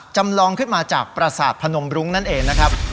จำลองขึ้นมาจากประสาทพนมรุ้งนั่นเองนะครับ